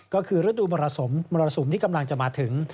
ก็คือฤดูมรสุมที่กำลังจะมาถึง